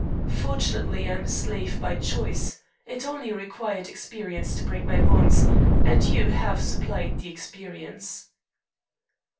Fortunately, I am a slave by choice. It only required experience to break my bonds, and you have supplied the experience."